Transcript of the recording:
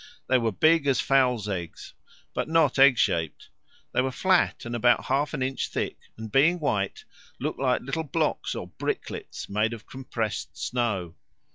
They were big as fowls' eggs, but not egg shaped: they were flat, and about half an inch thick, and being white, looked like little blocks or bricklets made of compressed snow.